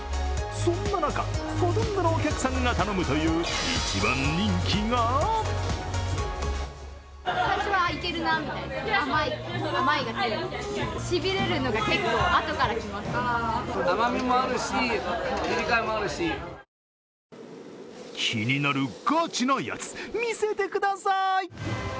そんな中、ほとんどのお客さんが頼むという一番人気が気になるガチなやつ、見せてくださーい。